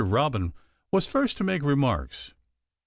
Robin was first to make remarks.